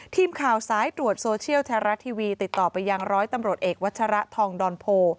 ทีมข่าวสายตรวจโซเชียลไทยรัฐทีวีติดต่อไปยังร้อยตำรวจเอกวัชระทองดอนโพ